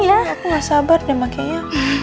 iya aku gak sabar deh makanya